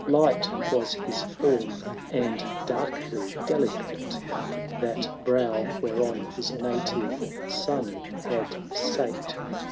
Light was his form, and darkly delicate That brow whereon his native sun had sate.